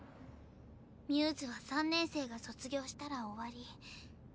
μ’ｓは３年生が卒業したら終わり。